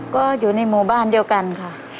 ก็อยู่ในหมู่บ้านเดียวกันค่ะ